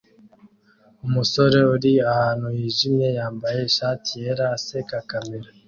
Umusore uri ahantu hijimye yambaye ishati yera aseka kamera